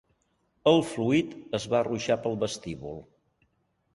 El fluid es va ruixar pel vestíbul.